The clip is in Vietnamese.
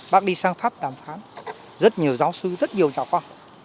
bác đi sang tháp đàm phán rất nhiều giáo sư rất nhiều nhà khoa